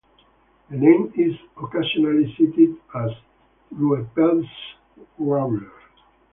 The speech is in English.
The name is occasionally cited as "Rueppell's warbler".